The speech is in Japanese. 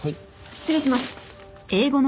失礼します。